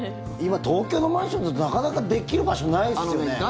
今東京のマンションだとなかなかできる場所ないっすよね。